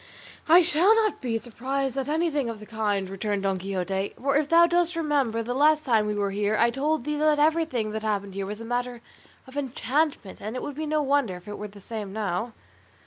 "I shall not be surprised at anything of the kind," returned Don Quixote; "for if thou dost remember the last time we were here I told thee that everything that happened here was a matter of enchantment, and it would be no wonder if it were the same now."